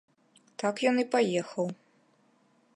Так ён і паехаў.